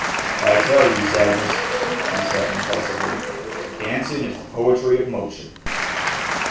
"I tell you, Sadness," he said impulsively, "dancing is the poetry of motion."